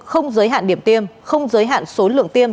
không giới hạn điểm tiêm không giới hạn số lượng tiêm